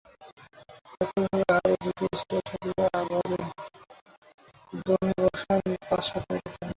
একইভাবে আরও দুটি স্তর সাজিয়ে আবারও দমে বসান পাঁচ-সাত মিনিটের জন্য।